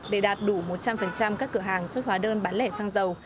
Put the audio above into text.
để đạt đủ một trăm linh các cửa hàng xuất hóa đơn bán lẻ xăng dầu